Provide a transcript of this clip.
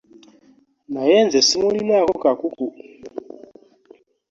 Naye nze ssimulinaako kakuku.